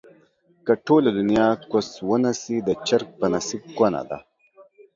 که ټوله دنياکوس ونسي ، د چرگ په نصيب کونه ده